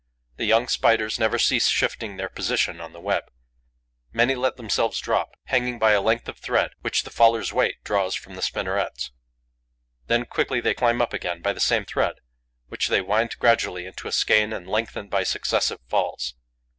The young Spiders never cease shifting their position on the web. Many let themselves drop, hanging by a length of thread, which the faller's weight draws from the spinnerets. Then quickly they climb up again by the same thread, which they wind gradually into a skein and lengthen by successive falls.